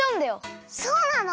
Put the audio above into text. そうなの？